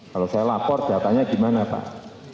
kalau saya lapor datanya gimana pak